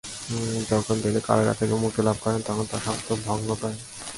যখন তিনি কারাগার থেকে মুক্তি লাভ করেন তখন তার স্বাস্থ্য ভগ্নপ্রায়।